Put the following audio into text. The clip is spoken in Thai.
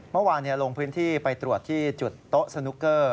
เมื่อวานลงพื้นที่ไปตรวจที่จุดโต๊ะสนุกเกอร์